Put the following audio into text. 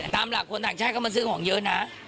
ตามหลักคนต่างชาติก็มาซื้อของเยอะนะ